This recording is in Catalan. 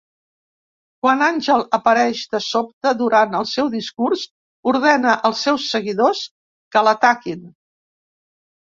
Quan Angel apareix de sobte durant el seu discurs, ordena als seus seguidors que l'ataquin.